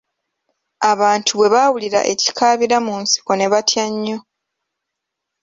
Abantu bwe baawulira ekikaabira mu nsiko ne batya nnyo!